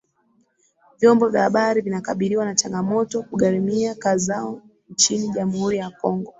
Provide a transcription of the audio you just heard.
Vyombo vya habari vina kabiliwa na changamoto kugharimia kazi zao nchini jamhuri ya kongo